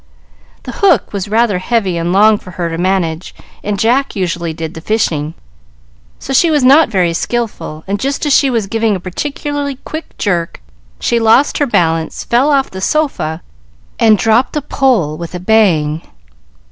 The hook was rather heavy and long for her to manage, and Jack usually did the fishing, so she was not very skilful; and just as she was giving a particularly quick jerk, she lost her balance, fell off the sofa, and dropped the pole with a bang.